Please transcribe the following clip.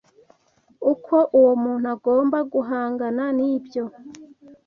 Uko uwo muntu agomba guhangana n’ibyo